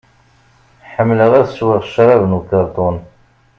Ḥemmleɣ ad sweɣ crab n ukarṭun.